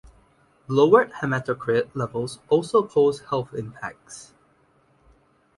Lowered hematocrit levels also pose health impacts.